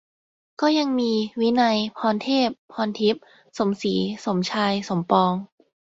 ก็ยังมี วินัย พรเทพ พรทิพย์ สมศรี สมชาย สมปอง